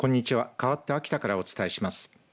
かわって秋田からお伝えします。